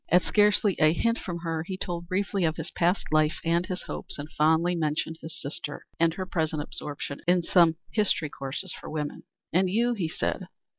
At scarcely a hint from her he told briefly of his past life and his hopes, and fondly mentioned his sister and her present absorption in some history courses for women. "And you?" he said.